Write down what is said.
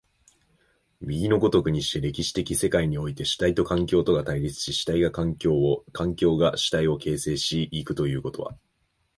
右の如くにして、歴史的世界において、主体と環境とが対立し、主体が環境を、環境が主体を形成し行くということは、